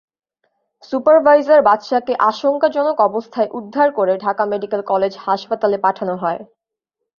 Supervisor বাদশাকে আশঙ্কাজনক অবস্থায় উদ্ধার করে ঢাকা মেডিকেল কলেজ হাসপাতালে পাঠানো হয়।